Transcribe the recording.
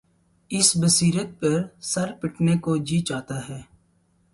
اس بصیرت پر سر پیٹنے کو جی چاہتا ہے۔